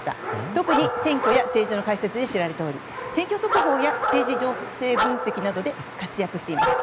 特に選挙や政治の解説で知られており選挙速報や政治情勢分析などで活躍していますと。